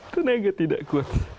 tenaga tidak kuat